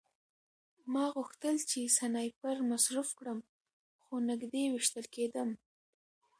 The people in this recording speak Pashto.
ما غوښتل چې سنایپر مصروف کړم خو نږدې ویشتل کېدم